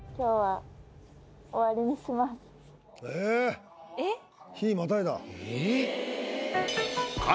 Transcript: えっ！